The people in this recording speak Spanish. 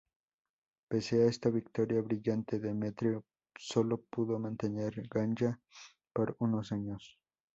Pese a esta victoria brillante, Demetrio sólo pudo mantener Ganyá por unos años.